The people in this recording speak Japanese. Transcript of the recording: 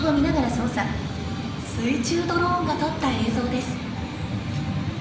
水中ドローンが撮った映像です。